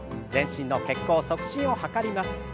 全身の血行促進を図ります。